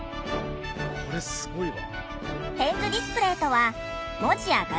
これすごいわ。